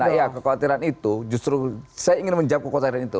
nah ya kekhawatiran itu justru saya ingin menjawab kekuatan saya ini